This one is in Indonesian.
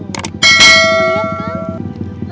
kamu lihat kan